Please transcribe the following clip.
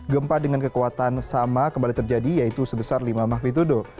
gempa dengan kekuatan sama kembali terjadi yaitu sebesar lima magnitudo